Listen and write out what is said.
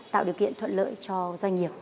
tạo điều kiện thuận lợi cho doanh nghiệp